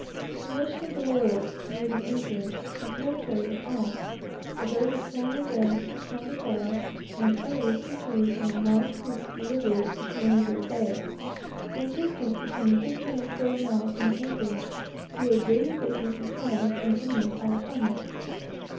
The mission of San Francisco near the anchorage, has no trade at all, but those of San José, Santa Clara, and others, situated on large creeks or rivers which run into the bay, and distant between fifteen and forty miles from the anchorage, do a greater business in hides than any in California.